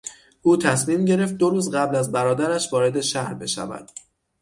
او تصمیم گرفت دو روز قبل از برادرش وارد شهر بشود.